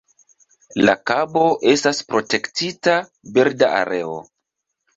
La kabo estas protektita birda areo.